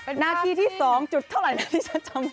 เป็นหน้าที่ที่๒จุดเท่าไหร่นะที่ฉันจำ